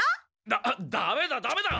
ダダメだダメだ。